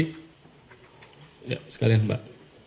enggak sekalian mbak